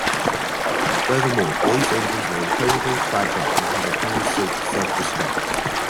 Furthermore, these engines were incredibly fragile and had a tendency to self-destruct.